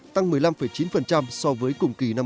tăng một mươi năm chín so với cùng kỳ năm